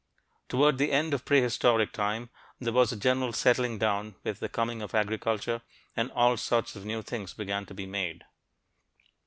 Toward the end of prehistoric time there was a general settling down with the coming of agriculture, and all sorts of new things began to be made.